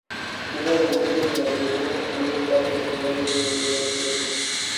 Hubo angustia en la tribuna y un empate sin goles en el primer tiempo.